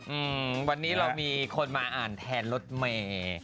อืมวันนี้เรามีคนมาอ่านแทนรถเมย์